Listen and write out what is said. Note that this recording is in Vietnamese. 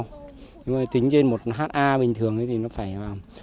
nhưng mà tính trên một ha bình thường thì nó phải vào